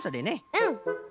うん。